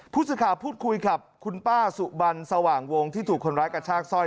พุศขาพุธคุยครับคุณป้าสุบัญสว่างวงที่ถูกคนร้ายกระชากสร้อย